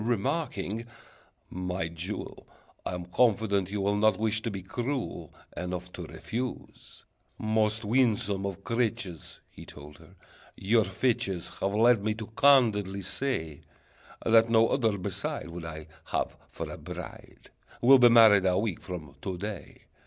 Remarking, "My jewel, I'm confident you will Not wish to be cruel Enough to refuse. "Most winsome of creatures," He told her, "your features Have led me to candidly say That no other beside Would I have for a bride: We'll be married a week from to day!